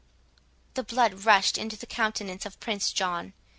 The blood rushed into the countenance of Prince John.